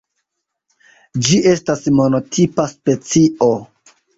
Ĝi estas monotipa specio.